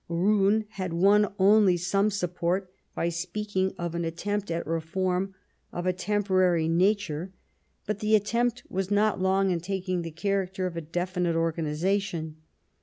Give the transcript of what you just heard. Roon had won only some support by speaking of an attempt at reform of a temporary nature ; but the attempt was not long in taking the character of a definite organization.